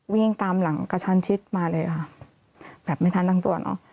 วิ่งตามหลังกระชันชิดมาเลยค่ะแบบไม่ทันตั้งตัวเนอะ